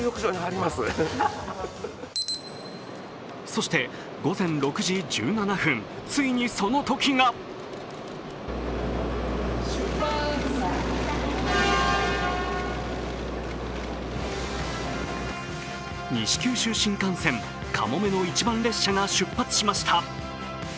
そして午前６時１７分、ついにそのときが西九州新幹線かもめの一番列車が出発しました。